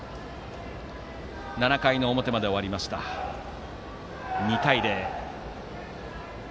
７回の表まで終わり２対０。